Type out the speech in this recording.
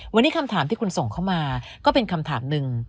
วันนี้คำถามที่คุณส่งเข้ามาก็เป็นคำถามหนึ่ง